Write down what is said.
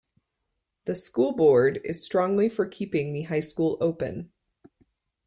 The school board is strongly for keeping the high school open.